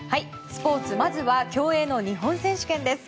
スポーツまずは競泳の日本選手権です。